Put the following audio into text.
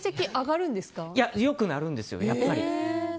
良くなるんですよやっぱり。